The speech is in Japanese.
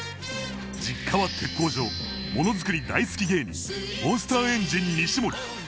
実家は鉄工所物作り大好き芸人モンスターエンジン西森。